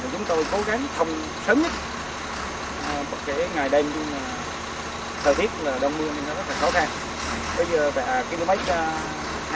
chúng tôi cố gắng thông sớm nhất bởi vì ngày đêm sợ thiết là đông mưa nên rất khó khăn